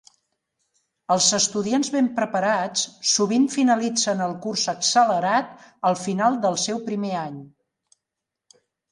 Els estudiants ben preparats sovint finalitzen el curs accelerat al final del seu primer any.